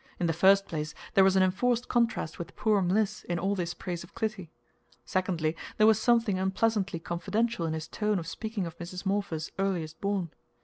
In the first place, there was an enforced contrast with poor Mliss in all this praise of Clytie. Secondly, there was something unpleasantly confidential in his tone of speaking of Mrs. Morpher's earliest born.